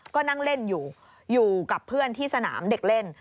ก็นั่งเล่นอยู่อยู่กับเพื่อนที่สนามเด็กเล่น